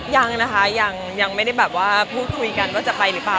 ยังนะคะยังไม่ได้แบบว่าพูดคุยกันว่าจะไปหรือเปล่า